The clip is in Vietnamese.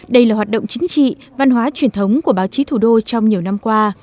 đây là hoạt động chính trị văn hóa truyền thống của báo chí thủ đô trong nhiều năm qua